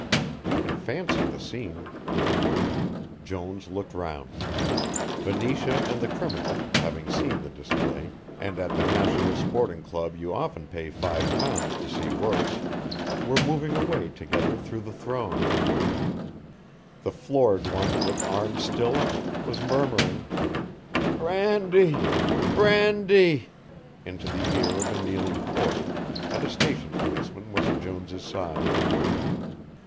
You can fancy the scene. Jones looked round. Venetia and the criminal, having seen the display and at the National Sporting Club you often pay five pounds to see worse were moving away together through the throng, the floored one with arms still out, was murmuring: "Brandee brandee," into the ear of a kneeling porter, and a station policeman was at Jones' side.